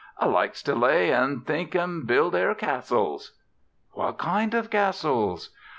"I likes to lay an' think an' build air castles." "What kind of castles?"